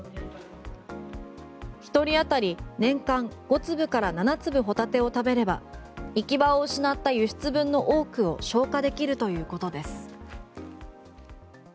１人当たり年間５粒から７粒ホタテを食べれば行き場を失った輸出分の多くを消化できるということです。